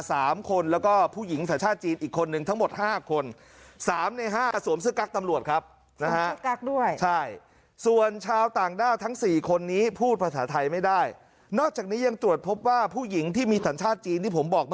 สามคนแล้วก็ผู้ย๒สาชาจีนอีกคนหนึ่งทั้งหมดห้าคนสาม